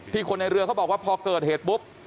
คนในเรือเขาบอกว่าพอเกิดเหตุปุ๊บ